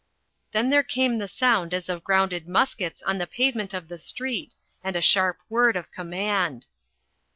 Then there came the sound as of grounded muskets on the pavement of the street and a sharp word of command.